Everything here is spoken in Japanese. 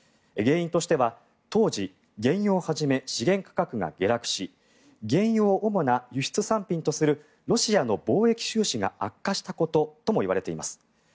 原因としては当時、原油をはじめ資源価格が下落し原油を主な輸出産品とするロシアの貿易収支が悪化したことともいわれています。